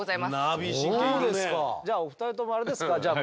じゃあお二人ともあれですかじゃあ